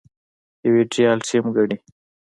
يو ايديال ټيم ګڼي.